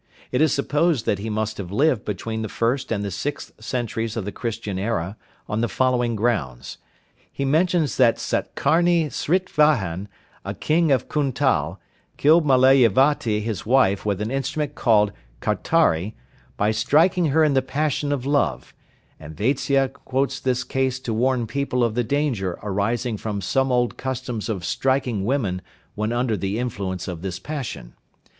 It is supposed that he must have lived between the first and the sixth centuries of the Christian era, on the following grounds: He mentions that Satkarni Srtvahan, a king of Kuntal, killed Malayevati his wife with an instrument called kartari by striking her in the passion of love, and Vatsya quotes this case to warn people of the danger arising from some old customs of striking women when under the influence of this passion.